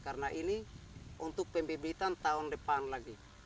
karena ini untuk pembebitan tahun depan lagi